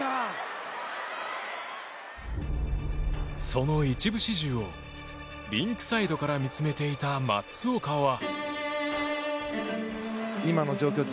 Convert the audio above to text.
その一部始終をリンクサイドから見つめていた松岡は。